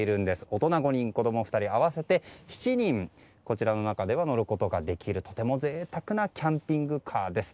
大人５人、子供２人合わせて７人こちらには乗ることができるとても贅沢なキャンピングカーです。